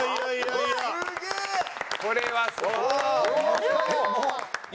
これはすごい。